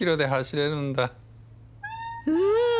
うん。